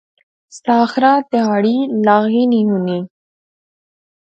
ساحرہ تہاڑی لاغی نی ہونی